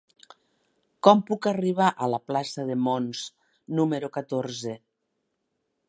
Com puc arribar a la plaça de Mons número catorze?